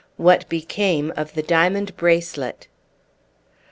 WHAT BECAME OF THE DIAMOND BRACELET.